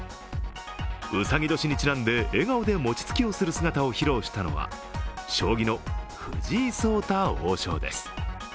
うさぎ年にちなんで、笑顔で餅つきをする姿を披露したのは将棋の藤井聡太王将です。